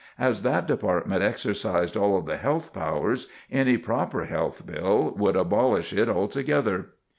As that department exercised all of the health powers, any proper health bill would abolish it altogether.